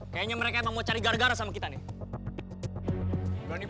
tiene jujur bernerca nggak main main terima kasih be